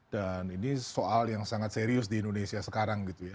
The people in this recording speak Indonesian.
dan ini soal yang sangat serius di indonesia sekarang gitu ya